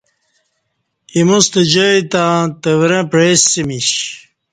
ایموستہ جای تہ تورں پعیسمیش۔